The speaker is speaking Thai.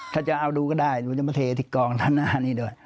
ถ้าจะเอาดูก็ได้หนูจะมาเทที่กองด้านหน้านี้ด้วย